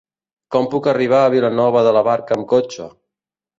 Com puc arribar a Vilanova de la Barca amb cotxe?